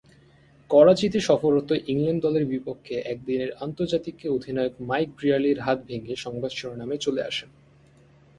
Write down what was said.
করাচিতে সফররত ইংল্যান্ড দলের বিপক্ষে একদিনের আন্তর্জাতিকে অধিনায়ক মাইক ব্রিয়ারলি’র হাত ভেঙ্গে সংবাদ শিরোনামে চলে আসেন।